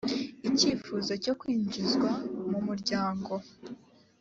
icyifuzo cyo kwinjizwa mu muryango